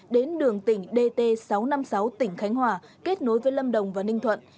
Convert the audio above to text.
đến đường tỉnh dt sáu trăm năm mươi sáu tỉnh khánh hòa kết nối với lâm đồng và ninh thuận